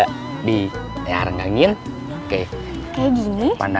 kbdagi yang biasa